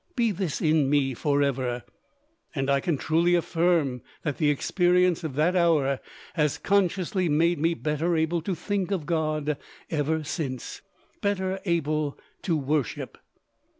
Be this in me forever! And I can truly affirm that the experience of that hour has consciously made me better able to think of God ever since better able to worship.